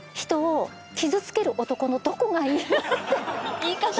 言い方が。